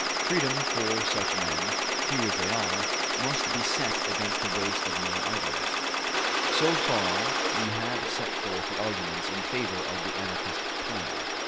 Freedom for such men, few as they are, must be set against the waste of the mere idlers. So far, we have set forth the arguments in favor of the Anarchist plan.